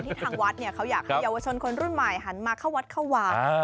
ทางวัดเขาอยากให้เยาวชนคนรุ่นใหม่หันมาเข้าวัดเข้าวาน